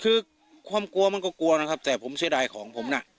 คือความกลัวมันก็กลัวนะครับแต่ผมเสียดายของผมน่ะ